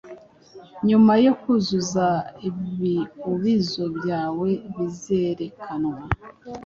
Nyuma yo kuzuza, ibiubizo byawe bizerekanwa